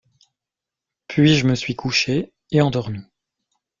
Puis, je me suis couché et endormi.